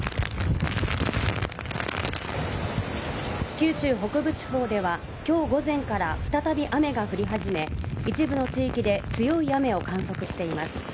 九州北部地方では、今日午前から再び雨が降り始め、一部の地域で強い雨を観測しています。